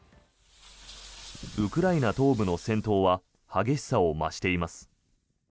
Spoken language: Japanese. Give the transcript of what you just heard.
ウクライナ東部の戦闘は激しさを増しています。